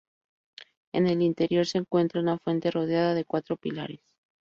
En el interior se encuentra una fuente rodeada de cuatro pilares.